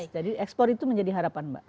jadi ekspor itu menjadi harapan mbak